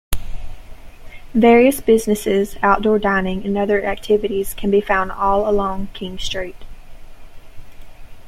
Various businesses, outdoor dining and other activities can be found all along King Street.